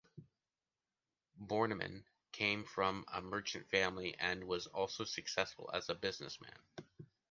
Bornemann came from a merchant family and was also successful as a businessman.